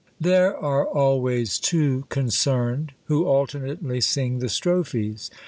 There are always two concerned, who alternately sing the strophes.